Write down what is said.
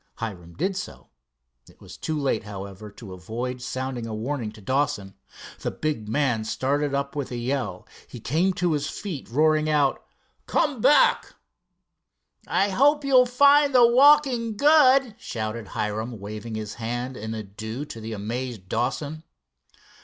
Hiram did so. It was too late, however, to avoid sounding a warning to Dawson. The big man started up with a yell. He came to his feet roaring out: "Come back!" "I hope you'll find the walking good!" shouted Hiram, waving his hand in adieu to the amazed Dawson.